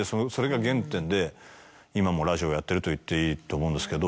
今もラジオをやってると言っていいと思うんですけど。